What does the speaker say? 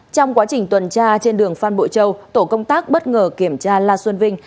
trong quá trình tuần tra trên đường phan bội châu tổ công tác bất ngờ kiểm tra la xuân vinh